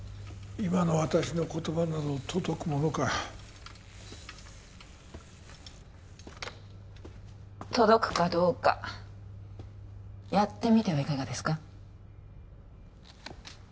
今の私の言葉など届くものか届くかどうかやってみてはいかがですか？